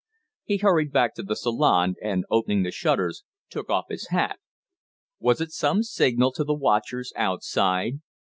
He hurried back to the salon, and, opening the shutters, took off his hat. Was it some signal to the watchers outside?